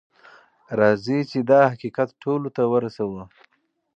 راځئ چې دا حقیقت ټولو ته ورسوو.